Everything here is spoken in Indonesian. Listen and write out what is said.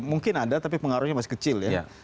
mungkin ada tapi pengaruhnya masih kecil ya